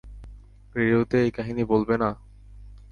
রেডিওতে এই কাহিনী বলবে না?